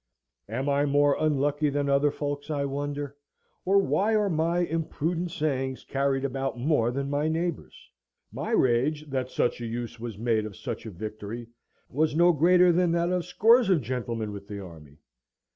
Am I more unlucky than other folks, I wonder? or why are my imprudent sayings carried about more than my neighbours'? My rage that such a use was made of such a victory was no greater than that of scores of gentlemen with the army.